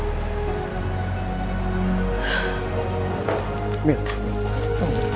klaien itu orang suruhan kamu